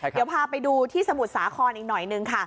เดี๋ยวพาไปดูที่สมุทรสาครอีกหน่อยนึงค่ะ